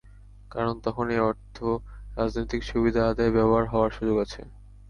কারণ তখন এ অর্থ রাজনৈতিক সুবিধা আদায়ে ব্যবহার হওয়ার সুযোগ আছে।